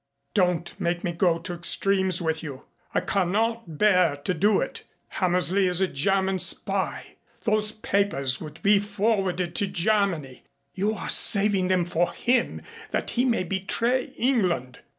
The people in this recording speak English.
Don't make me go to extremes with you. I cannot bear to do it. Hammersley is a German spy. Those papers were to be forwarded to Germany. You are saving them for him, that he may betray England."